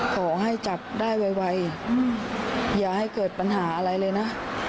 ขอให้จับได้ไวอย่าให้เกิดปัญหาอะไรเลยนะ